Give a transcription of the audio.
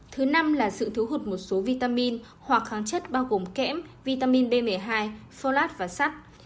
thứ năm là sự thú hụt một số vitamin hoặc kháng chất bao gồm kém vitamin b một mươi hai folate và sắt